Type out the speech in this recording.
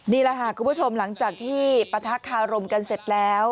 นี่แหละค่ะคุณผู้ชมหลังจากที่ปะทะคารมกันเสร็จแล้ว